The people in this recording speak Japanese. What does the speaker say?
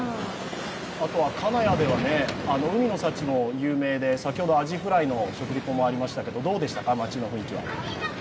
あと金谷では海の幸も有名で先ほどアジフライの食リポもありましたけどどうでしたか、町の雰囲気は。